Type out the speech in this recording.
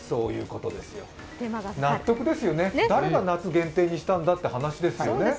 納得ですよね、誰が夏限定したんだって話ですよね。